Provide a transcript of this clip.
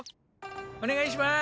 お願いします